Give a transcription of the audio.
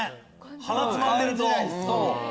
鼻つまんでると。